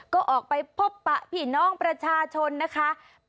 ก็พบป้าหินองประชาชนออกไปในที่นั้นนะคะ